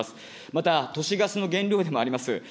また都市ガスの原料でもあります